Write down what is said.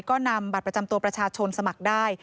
ก็นำบัตรประจำตัวประชาชนสมัครได้